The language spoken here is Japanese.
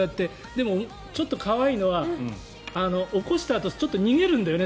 でも、ちょっと可愛いのは起こしたあと少し逃げるんだよね